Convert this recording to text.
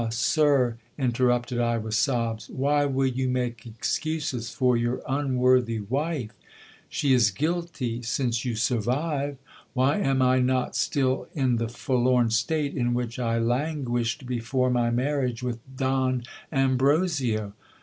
sir, inter rupted I with sobs, why will you make excuses for your unworthy wife ? She is guilty, since you survive. Why am I not still in the forlorn state in which I languished before my marriage with Don Ambrosio